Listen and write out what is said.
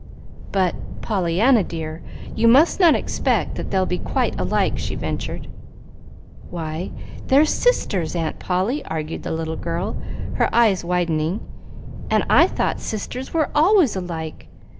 "But, Pollyanna, dear, you must not expect that they'll be quite alike," she ventured. "Why, they're SISTERS, Aunt Polly," argued the little girl, her eyes widening; "and I thought sisters were always alike.